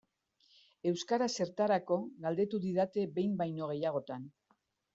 Euskara zertarako galdetu didate behin baino gehiagotan.